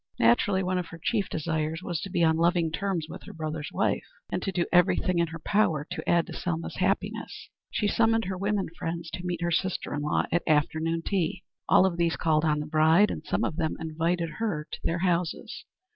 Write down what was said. Naturally one of her chief desires was to be on loving terms with her brother's wife, and to do everything in her power to add to Selma's happiness. She summoned her women friends to meet her sister in law at afternoon tea. All of these called on the bride, and some of them invited her to their houses.